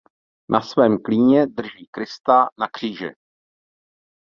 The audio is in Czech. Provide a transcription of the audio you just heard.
Na svém klíně drží Krista na Kříži.